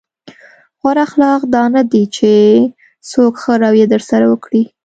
غوره اخلاق دا نه دي چې څوک ښه رويه درسره وکړي.